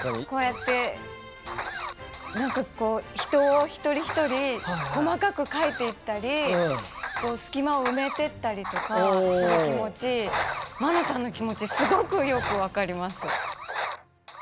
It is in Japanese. こうやってなんかこう人を一人一人細かく描いていったりこう隙間を埋めてったりとかする気持ち麻乃さんの気持ちすごくよく分かります。